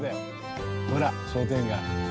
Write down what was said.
ほら商店街。